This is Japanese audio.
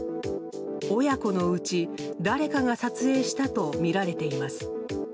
親子のうち誰かが撮影したとみられています。